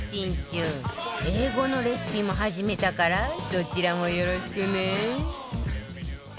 英語のレシピも始めたからそちらもよろしくね